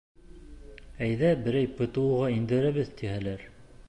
Әйҙә, берәй ПТУ-ға индерәбеҙ тиһәләр?!